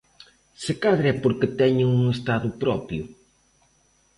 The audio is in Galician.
Se cadra é porque teñen un estado propio...